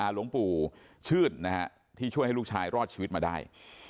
หลวงปู่ชื่นที่ช่วยให้ลูกชายรอดชีวิตมาได้